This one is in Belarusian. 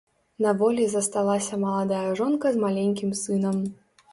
На волі засталася маладая жонка з маленькім сынам.